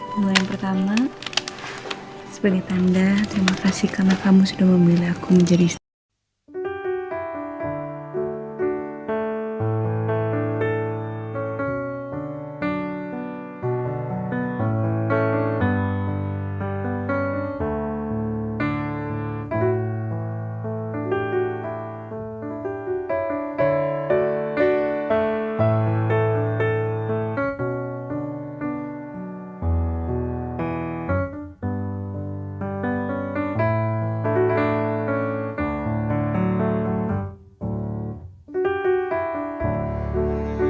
mulai pertama sebagai tanda terima kasih karena kamu sudah memilih aku menjadi